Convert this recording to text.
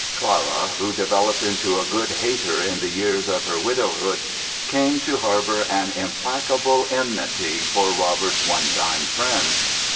Clara, who developed into a good hater in the years of her widowhood, came to harbor an implacable enmity for Robert's one time friend.